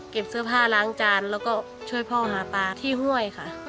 เสื้อผ้าล้างจานแล้วก็ช่วยพ่อหาปลาที่ห้วยค่ะ